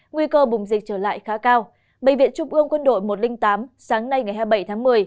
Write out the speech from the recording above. nguy cơ bùng dịch trở lại khá cao bệnh viện trung ương quân đội một trăm linh tám sáng nay ngày hai mươi bảy tháng một mươi